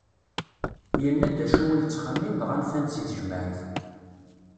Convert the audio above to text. Yenna-d acu yettxemmim dɣa nfan-t si tejmaɛit.